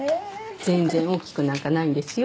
全然大きくなんかないんですよ